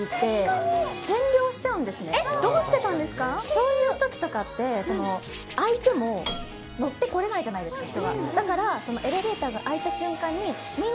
そういう時とかって相手も乗ってこれないじゃないですか人が。